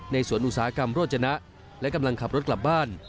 สวนอุตสาหกรรมโรจนะและกำลังขับรถกลับบ้าน